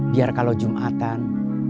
biar kalau jumatan